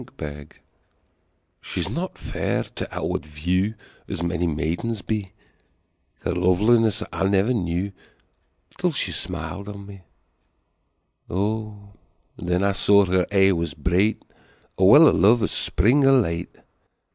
Song SHE is not fair to outward view As many maidens be, Her loveliness I never knew Until she smiled on me; O, then I saw her eye was bright, 5 A well of love, a spring of light!